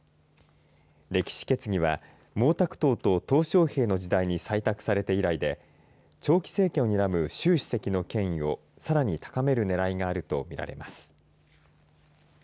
歴史決議は毛沢東とう小平の時代に採択されて以来で長期政権をにらむ習主席の権威をさらに高めるねらいがあるとみられます。